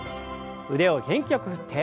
腕を元気よく振って。